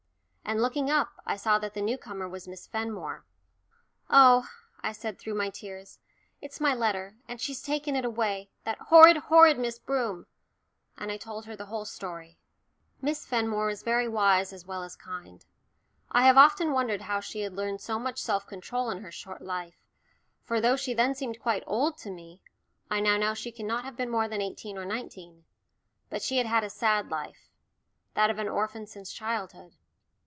and looking up, I saw that the new comer was Miss Fenmore. "Oh," I said through my tears, "it's my letter, and she's taken it away that horrid, horrid Miss Broom." And I told her the whole story. Miss Fenmore was very wise as well as kind. I have often wondered how she had learnt so much self control in her short life, for though she then seemed quite "old" to me, I now know she cannot have been more than eighteen or nineteen. But she had had a sad life that of an orphan since childhood.